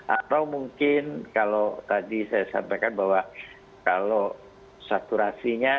atau mungkin kalau tadi saya sampaikan bahwa kalau saturasinya